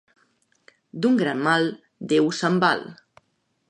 D'un gran mal, Déu se'n val.